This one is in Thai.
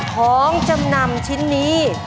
ของจำนำชิ้นนี้